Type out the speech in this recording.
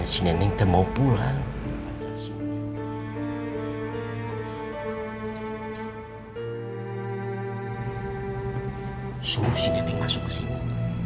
sungguh si neneng masuk kesini